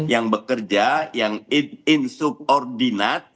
yang bekerja yang insubordinat